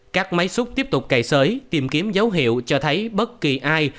các máy xúc tiếp tục cày sới tìm kiếm dấu hiệu cho thấy bất kỳ ai